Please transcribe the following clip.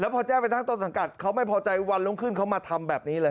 พอแจ้งไปทั้งต้นสังกัดเขาไม่พอใจวันรุ่งขึ้นเขามาทำแบบนี้เลย